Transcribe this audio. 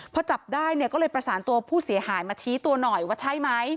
พอจับได้เนี่ยก็เลยประสานตัวผู้เสียหายมาชี้ตัวหน่อยว่าใช่ไหม